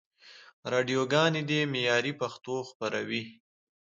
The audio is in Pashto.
راډیوګاني دي معیاري پښتو خپروي.